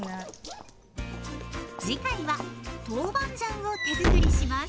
次回は豆板醤を手づくりします。